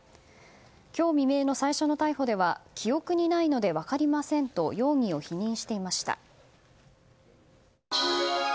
今日未明の最初の逮捕では記憶にないので分かりませんと容疑を否認していました。